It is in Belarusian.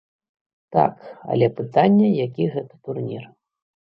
Так, але пытанне, які гэта турнір.